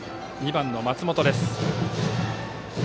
２番、松本です。